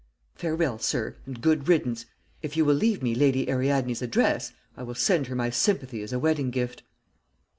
Farewell, sir, and good riddance. If you will leave me Lady Ariadne's address, I will send her my sympathy as a wedding gift.'